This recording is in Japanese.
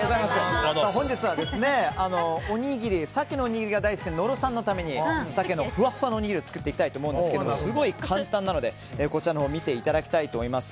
本日はおにぎり、鮭のおにぎりが大好きな野呂さんのために鮭のふわふわのおにぎりを作っていきたいんですがすごい簡単なので見ていただきたいと思います。